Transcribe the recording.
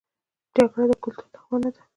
جګړه د کلتور دښمنه ده